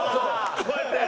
こうやって！